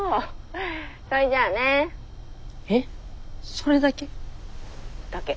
それだけ？だけ。